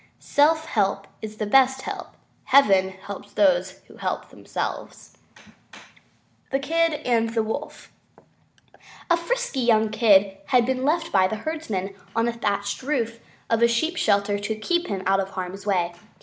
Self help is the best help. Heaven helps those who help themselves. THE KID AND THE WOLF A frisky young Kid had been left by the herdsman on the thatched roof of a sheep shelter to keep him out of harm's way.